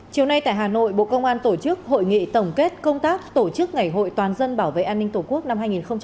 chiều nay tại hà nội bộ công an tổ chức hội nghị tổng kết công tác tổ chức ngày hội toàn dân bảo vệ an ninh tổ quốc năm hai nghìn hai mươi ba